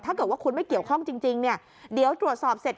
ถ้าเกิดว่าคุณไม่เกี่ยวข้องจริงเนี่ยเดี๋ยวตรวจสอบเสร็จ